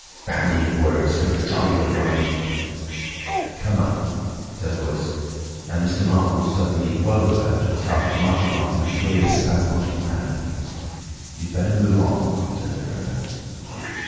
"Bandying words! I'm a jolly good mind—" "Come up," said a Voice, and Mr. Marvel was suddenly whirled about and started marching off in a curious spasmodic manner. "You'd better move on," said the mariner.